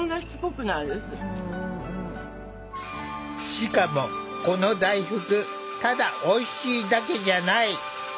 しかもこの大福ただおいしいだけじゃない！